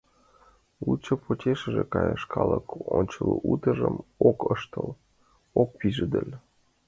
Лучо почешыже каяш, калык ончылно утыжым ок ыштыл, ок пижедыл.